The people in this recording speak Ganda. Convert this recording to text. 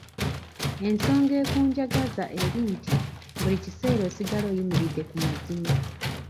Ensonga ekunjagaza eri nti buli kiseera osigala oyimiridde ku mazima.